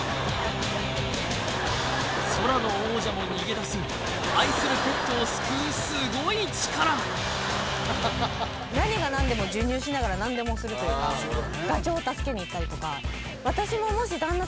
空の王者も逃げ出す愛するペットを救うしながら何でもするというかガチョウを助けに行ったりとか。